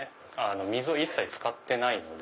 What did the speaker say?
水を一切使ってないので。